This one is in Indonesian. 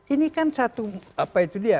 ini kan satu apa itu dia